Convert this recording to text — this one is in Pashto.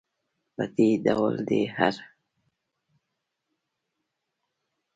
په دې ډول دی هر.